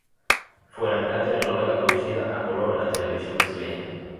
Fue la primera telenovela producida a color en la televisión brasileña.